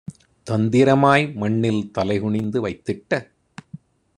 தந்திரமாய் மண்ணில் தலைகுனிந்து வைத்திட்ட